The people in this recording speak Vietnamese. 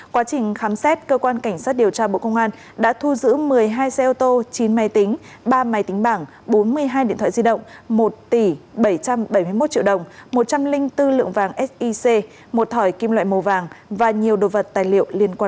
quá trình khám xét cơ quan cảnh sát điều tra bộ công an đã thu giữ một mươi hai xe ô tô chín máy tính ba máy tính bảng bốn mươi hai điện thoại di động một tỷ bảy trăm bảy mươi một triệu đồng một trăm linh bốn lượng vàng sic một thỏi kim loại màu vàng và nhiều đồ vật tài liệu liên quan